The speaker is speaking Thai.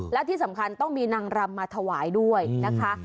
และที่สำคัญต้องมีนางรำมาถวายด้วยนะคะ